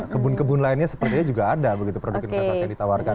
kebun kebun lainnya sepertinya juga ada begitu produk investasi yang ditawarkan